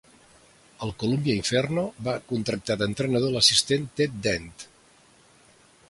El Columbia Inferno va contractar l'entrenador assistent Ted Dent.